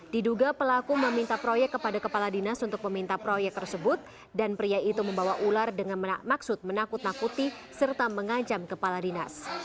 diduga pelaku meminta proyek kepada kepala dinas untuk meminta proyek tersebut dan pria itu membawa ular dengan maksud menakut nakuti serta mengancam kepala dinas